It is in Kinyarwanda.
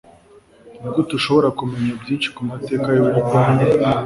Nigute ushobora kumenya byinshi ku mateka y'Ubuyapani?